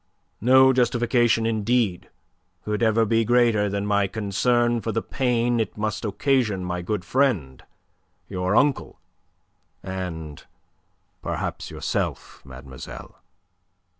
No justification, indeed, could ever be greater than my concern for the pain it must occasion my good friend, your uncle, and perhaps yourself, mademoiselle."